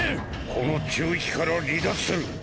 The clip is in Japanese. この宙域から離脱する。